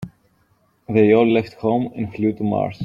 They all left home and flew to Mars.